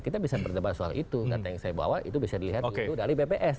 kita bisa berdebat soal itu data yang saya bawa itu bisa dilihat dari bps